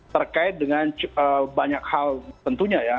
terkait dengan banyak hal tentunya ya